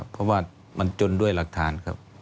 เพราะว่ามันจนด้วยหลักฐานครับ